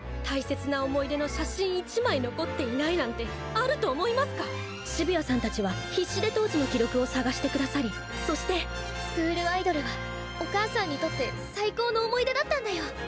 大切な思い出の写真一枚残っていないなんてあると思いますか⁉澁谷さんたちは必死で当時の記録を捜して下さりそしてスクールアイドルはお母さんにとって最高の思い出だったんだよ。